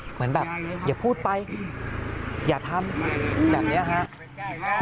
เหมือนแบบอย่าพูดไปอย่าทำแบบนี้ครับ